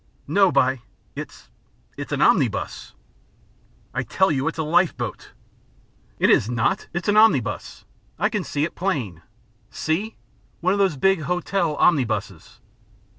"No, by , it's it's an omnibus." "I tell you it's a life boat." "It is not! It's an omnibus. I can see it plain. See? One of these big hotel omnibuses."